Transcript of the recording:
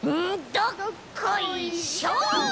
どっこいしょ！